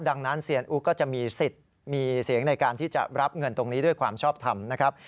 ดังนั้นเซียนอู๋ก็จะมีสิทธิ์มีเสียงในการที่จะรับเงินตรงนี้ด้วยความชอบทำนะครับ